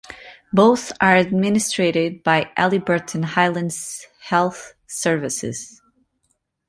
Both are administrated by Haliburton Highlands Health Services.